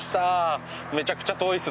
めちゃくちゃ遠いですね。